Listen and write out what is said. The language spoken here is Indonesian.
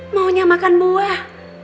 maunya makan buah